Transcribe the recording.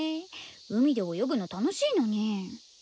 海で泳ぐの楽しいのに。